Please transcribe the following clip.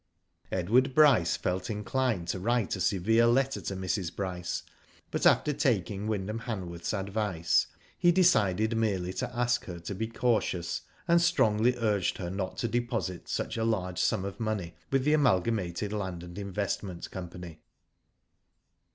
Edward Bryce felt inclined to write a severe letter to Mrs. Bryce, but after taking Wyndham Hanworth's advice, he decided merely to ask her to be cautious, and strongly urged her not to deposit such a large sum of money wnth the Amalgamated Land and Investment Company.